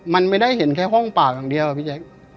มันไม่ได้เห็นแค่ห้องปากอย่างเดียวอะพี่แจ๊ค